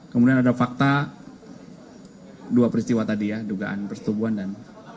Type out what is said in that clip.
kemudian ada fakta dua peristiwa tadi ya dugaan persetubuhan dan